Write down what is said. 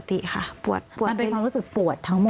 มันเป็นความรู้สึกปวดทั้งหมดใช่ไหม